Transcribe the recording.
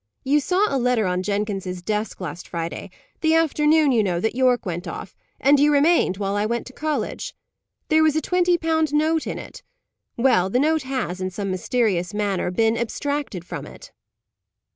"You saw a letter on Jenkins's desk last Friday the afternoon, you know, that Yorke went off, and you remained while I went to college? There was a twenty pound note in it. Well, the note has, in some mysterious manner, been abstracted from it."